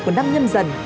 của năm nhân dân